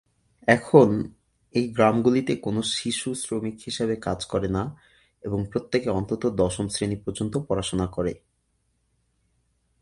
এখন এই গ্রামগুলিতে কোনও শিশু শ্রমিক হিসেবে কাজ করে না এবং প্রত্যেকে অন্তত দশম শ্রেণি পর্যন্ত পড়াশোনা করে।